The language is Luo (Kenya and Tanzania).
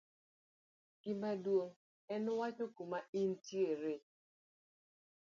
gimaduong' en wacho kuma intiere